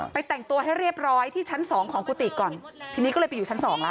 แต่งตัวให้เรียบร้อยที่ชั้นสองของกุฏิก่อนทีนี้ก็เลยไปอยู่ชั้นสองแล้ว